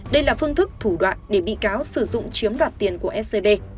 đây là phương thức thủ đoạn để bị cáo sử dụng chiếm đoạt tiền của scb